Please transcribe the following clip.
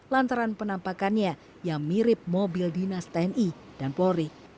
lantaran penampakannya yang mirip mobil dinas tni dan polri